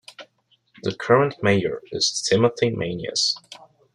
The current mayor is Timothy Maniez.